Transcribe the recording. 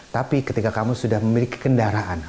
tapi ketika kamu sudah memiliki kendaraan